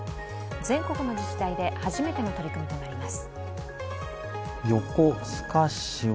全国の自治体で初めての取り組みとなります。